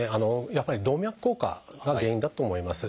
やっぱり動脈硬化が原因だと思います。